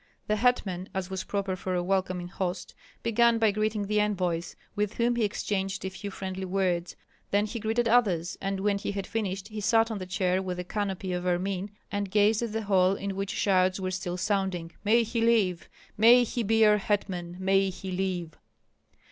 The hetman, as was proper for a welcoming host, began by greeting the envoys, with whom he exchanged a few friendly words; then he greeted others, and when he had finished he sat on the chair with a canopy of ermine, and gazed at the hall in which shouts were still sounding: "May he live! May he be our hetman! May he live!"